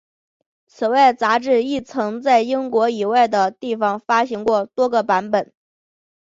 此外杂志亦曾经在英国以外的地方发行过多个版本。